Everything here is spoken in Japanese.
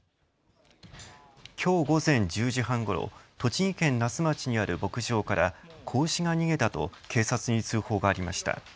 きょう午前１０時半ごろ栃木県那須町にある牧場から子牛が逃げたと警察に通報がありました。